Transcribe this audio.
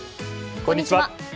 こんにちは。